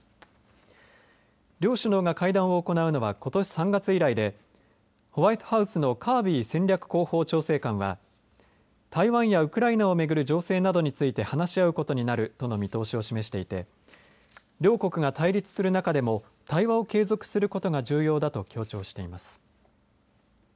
両首脳が会談を行うのはことし３月以来でホワイトハウスのカービー戦略広報調整官は台湾やウクライナを巡る情勢などについて話し合うことになるとの見通しを示していて両国が対立する中でも対話を継続することが重要だと強調しています。